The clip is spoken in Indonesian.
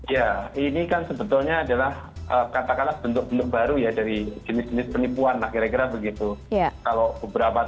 ya ini kan sebetulnya adalah katakanlah bentuk bentuk baru ya dari jenis jenis penipuan lah kira kira begitu